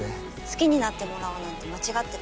好きになってもらおうなんて間違ってた